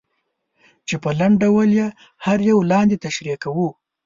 چې په لنډ ډول یې هر یو لاندې تشریح کوو.